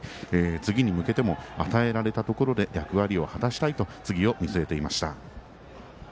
次に向けても与えられたところで役割を果たしたいと次を見据えていました。